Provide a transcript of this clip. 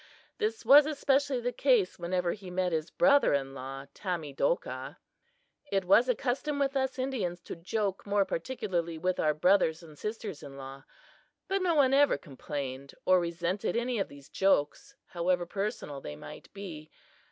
This was especially the case whenever he met his brother in law, Tamedokah. It was a custom with us Indians to joke more particularly with our brothers and sisters in law. But no one ever complained, or resented any of these jokes, however personal they might be.